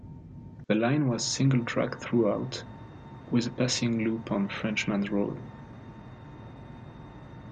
The line was single track throughout, with a passing loop on Frenchmans Road.